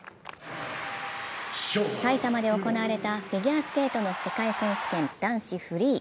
埼玉で行われたフィギュアスケートの世界選手権男子フリー。